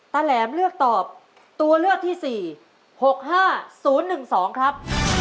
ตาแหลมเลือกตอบตัวเลือกที่สี่หกห้าศูนย์หนึ่งสองครับ